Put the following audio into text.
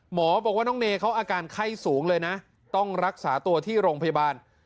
หมอบอกว่าน้องเนยเขาอาการไข้สูงเลยนะต้องรักษาตัวที่โรงพยาบาล